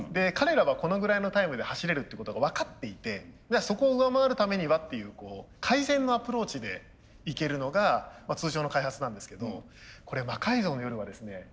彼らはこのぐらいのタイムで走れるっていうことが分かっていてそこを上回るためにはっていう改善のアプローチでいけるのが通常の開発なんですけどこれ「魔改造の夜」はですね